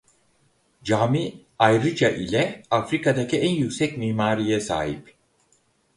Cami ayrıca ile Afrika'daki en yüksek minareye sahip.